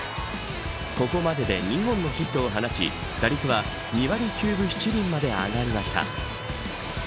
ここまでで２本のヒットを放ち打率は２割９分７厘まで上がりました。